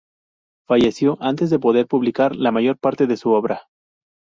Falleció antes de poder publicar la mayor parte de su obra.